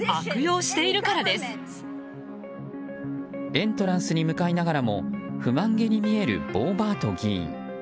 エントランスに向かいながらも不満げに見えるボーバート議員。